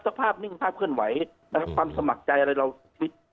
ภาพนิ่งภาพเคลื่อนไหวนะครับความสมัครใจอะไรเราคิด